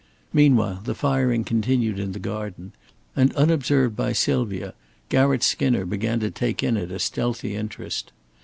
Meanwhile the firing continued in the garden; and unobserved by Sylvia, Garratt Skinner began to take in it a stealthy interest.